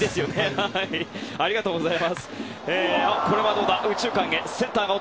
ありがとうございます。